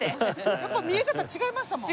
やっぱ見え方違いましたもん。